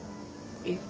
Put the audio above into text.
えっ？